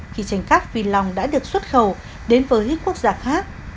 khi tranh cát phi long đã được xuất khẩu đến với quốc gia khác